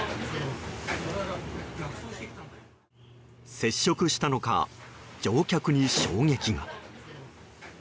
接触したのか乗客に衝撃が。